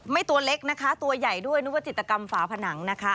ตัวเล็กนะคะตัวใหญ่ด้วยนึกว่าจิตกรรมฝาผนังนะคะ